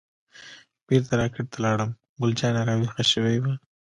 بیرته را کټ ته لاړم، ګل جانه راویښه شوې وه.